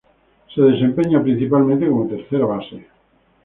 Se desempeña principalmente como tercera base.